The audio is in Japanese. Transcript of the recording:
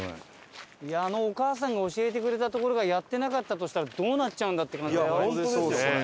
あのお母さんが教えてくれたところがやってなかったとしたらどうなっちゃうんだ？っていう感じだよ。